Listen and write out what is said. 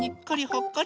「にっこり」